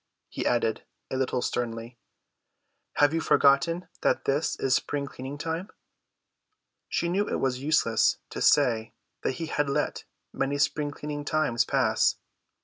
He added a little sternly, "Have you forgotten that this is spring cleaning time?" She knew it was useless to say that he had let many spring cleaning times pass.